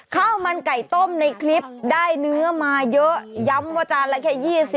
ข้าวมันไก่ต้มในคลิปได้เนื้อมาเยอะย้ำว่าจานละแค่๒๐